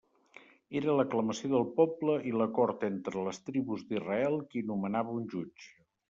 Era l'aclamació del poble i l'acord entre les tribus d'Israel qui nomenava un jutge.